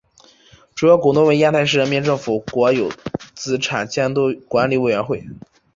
主要股东为烟台市人民政府国有资产监督管理委员会。